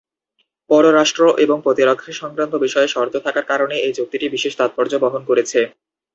পররাষ্ট্র এবং প্রতিরক্ষা সংক্রান্ত বিষয়ে শর্ত থাকার কারণে এই চুক্তিটি বিশেষ তাৎপর্য বহন করেছে।